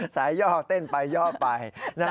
สายย่อเต้นไปย่อไป